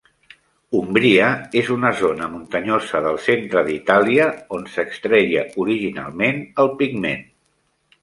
Umbria és una zona muntanyosa del centre d'Itàlia on s'extreia originalment el pigment.